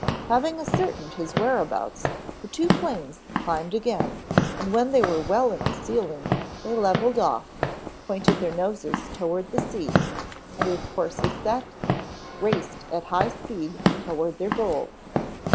Having ascertained his whereabouts, the two planes climbed again and when they were well in the ceiling, they leveled off, pointed their noses toward the sea, and with courses set, raced at high speed toward their goal.